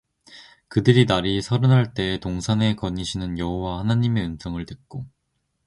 그들이 날이 서늘할 때에 동산에 거니시는 여호와 하나님의 음성을 듣고